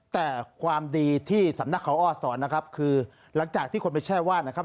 แต่ความดีที่สำนักเขาอ้อสอนนะครับคือหลังจากที่คนไปแช่วาดนะครับ